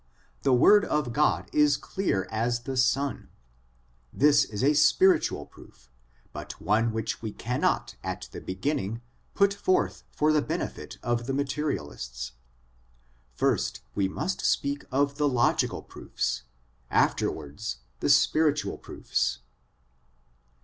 The word of God is clear as the sun. This is a spiritual proof, but one which we cannot at the begin ning put forth for the benefit of the materialists ; first we must speak of the logical proofs, afterwards the spiritual proofs.